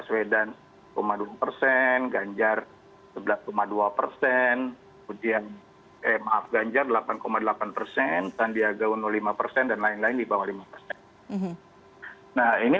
kemudian mas vedan dua persen ganjar sebelas dua persen kemudian ganjar delapan delapan persen sandiaga lima persen dan lain lain di bawah lima persen